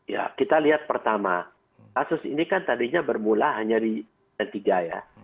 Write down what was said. ya kita lihat pertama kasus ini kan tadinya bermula hanya di p tiga ya